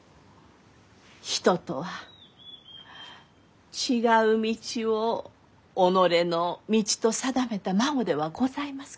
人とは違う道を己の道と定めた孫ではございます